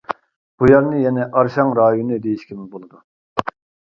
بۇ يەرنى يەنە ئارىشاڭ رايونى دېيىشكىمۇ بولىدۇ.